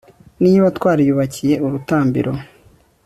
niba twariyubakiye urutambiro